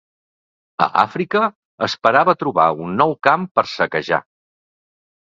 A Àfrica esperava trobar un nou camp per saquejar.